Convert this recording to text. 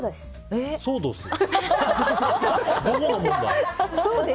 そうどす。